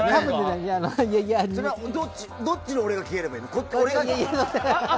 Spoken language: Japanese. どっちの俺が消えればいいの？